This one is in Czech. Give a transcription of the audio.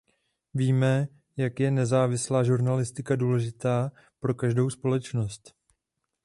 Víme, jak je nezávislá žurnalistika důležitá pro každou společnost.